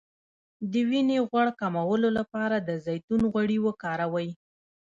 د وینې غوړ کمولو لپاره د زیتون غوړي وکاروئ